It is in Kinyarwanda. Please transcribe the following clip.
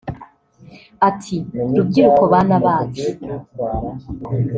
Ati « Rubyiruko bana bacu